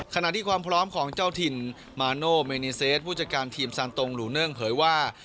ขณะที่ความพร้อมของเจ้าถิ่นมาโนเมเนเซสผู้จัดการทีมซานตรงหลูเนิ่งเผยว่า